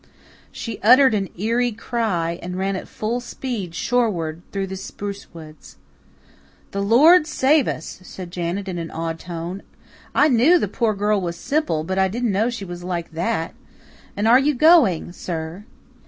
She uttered an eerie cry, and ran at full speed shoreward through the spruce woods. "The Lord save us!" said Janet in an awed tone. "I knew the poor girl was simple, but I didn't know she was like THAT. And are you going, sir?"